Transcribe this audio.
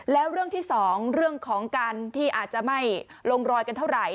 แล้วเรื่องที่สองเรื่องของการที่อาจจะไม่ลงรอยกันเท่าไหร่